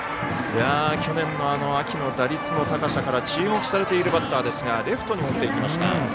去年の秋の打率の高さから注目されているバッターですがレフトに持っていきました。